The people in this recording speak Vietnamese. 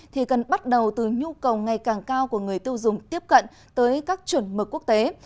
thì cần bắt đầu từ nhu cầu ngày càng cao của người tiêu dùng tiếp cận tới các chuẩn mực quốc tế